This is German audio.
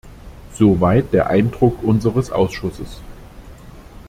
Soweit der Eindruck unseres Ausschusses.